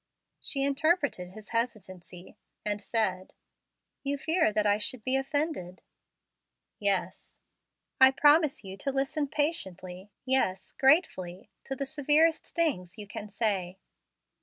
She interpreted his hesitancy, and said, "You fear that I shall be offended?" "Yes." "I promise you to listen patiently yes, gratefully to the severest things you can say."